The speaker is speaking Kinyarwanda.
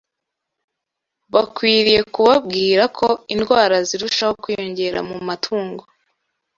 Bakwiriye kubabwira ko indwara zirushaho kwiyongera mu matungo